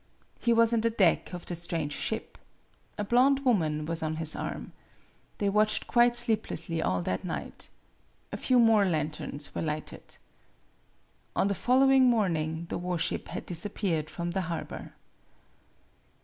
He was on the deck of the strange ship. A blonde woman was on his arm. They watched quite sleep T lessly all that night. A few more lanterns were lighted. On the following morning the war ship had disappeared from the harbor.